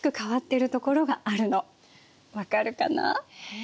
分かるかな？え。